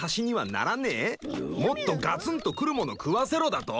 もっとガツンとくるもの食わせろだと？